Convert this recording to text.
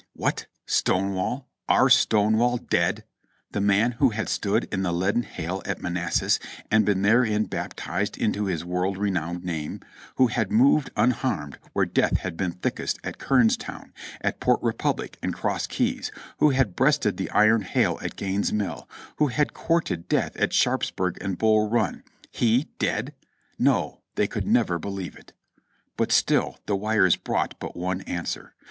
What ? Stonewall ! Our Stonewall dead ! the man who had stood in the leaden hail at Manassas, and been therein baptized into his world renowned name; who had moved unharmed where death had been thickest at Kernstown. at Port Republic, and Cross Keys ; who had breasted the iron hail at Gaines' Mill ; who had courted death at Sharpsburg and Bull Run. He dead? No, they could never believe it. But still the wires brought but one answer.